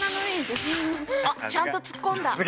あっちゃんと突っ込んだ。